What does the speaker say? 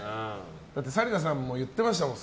だって紗理奈さんも言ってましたよね。